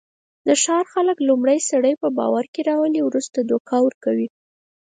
د ښار خلک لومړی سړی په باورکې راولي، ورسته دوکه ورکوي.